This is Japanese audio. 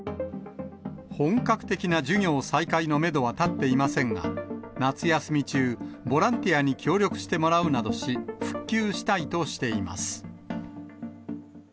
本格的な授業再開のメドは立っていませんが、夏休み中、ボランティアに協力してもらうなどし、復旧したいとしています。